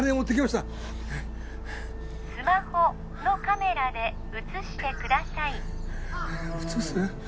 スマホのカメラで写してくださいえっ写す？